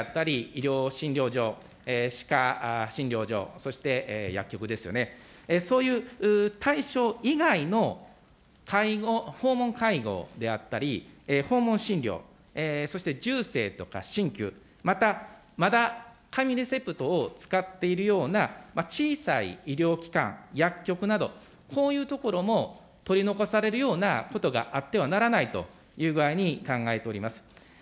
医療診療所、歯科診療所、そして薬局ですよね、そういう対象以外の介護、訪問介護であったり、訪問診療、そして柔整とか針きゅう、また、まだ紙レセプトを使っているような小さい医療機関、薬局など、こういうところも取り残されるようなことがあってはならないという具合に考えております。